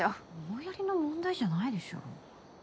思いやりの問題じゃないでしょ。